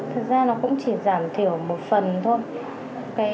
thực ra nó cũng chỉ giảm thiểu một phần thôi